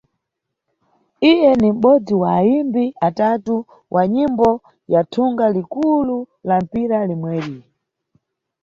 Iye ni mʼbodzi wa ayimbi atatu wa nyimbo ya thunga likulu la mpira limweri.